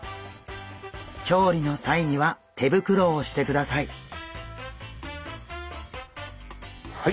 調理の際には手袋をしてください。